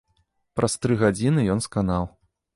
Праз тры гадзіны ён сканаў.